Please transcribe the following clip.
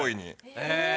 へえ。